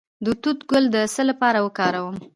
د توت ګل د څه لپاره وکاروم؟